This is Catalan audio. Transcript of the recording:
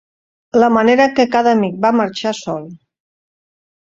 La manera en què cada amic va marxar sol.